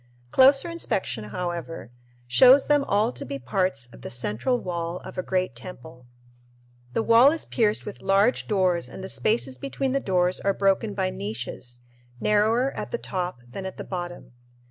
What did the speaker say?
Closer inspection, however, shows them all to be parts of the central wall of a great temple. The wall is pierced with large doors and the spaces between the doors are broken by niches, narrower at the top than at the bottom.